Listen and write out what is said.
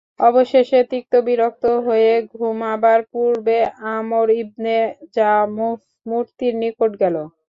অবশেষে তিক্ত বিরক্ত হয়ে ঘুমাবার পূর্বে আমর ইবনে জামূহ মূর্তির নিকট গেল।